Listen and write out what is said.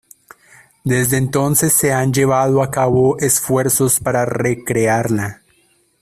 Desde entonces, se han llevado a cabo esfuerzos para re-crearla.